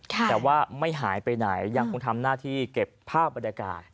แต่ว่าไม่หายไปไหนยังคงทำหน้าที่เก็บภาพบรรยากาศ